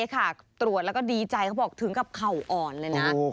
ตรวจแล้วก็ดีใจเขาบอกถึงกับเข่าอ่อนเลยนะ